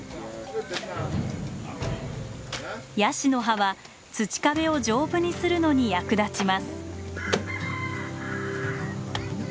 ヤシの葉は土壁を丈夫にするのに役立ちます。